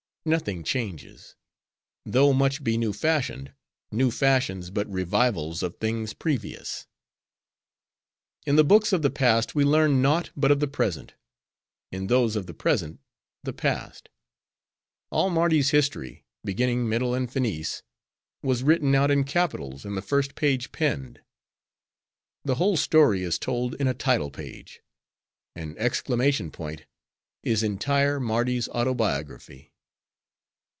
Nothing changes, though much be new fashioned: new fashions but revivals of things previous. In the books of the past we learn naught but of the present; in those of the present, the past. All Mardi's history—beginning middle, and finis—was written out in capitals in the first page penned. The whole story is told in a title page. An exclamation point is entire Mardi's autobiography."